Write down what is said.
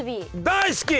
大好き！